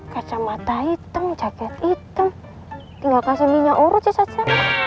kacamata hitam ceket hitam tinggal kasih minyak urut saja